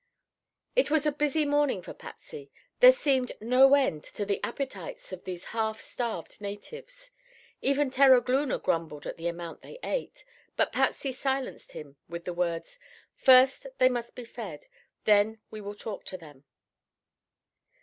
It was a busy morning for Patsy. There seemed no end to the appetites of these half starved natives. Even Terogloona grumbled at the amount they ate, but Patsy silenced him with the words: "First they must be fed, then we will talk to them."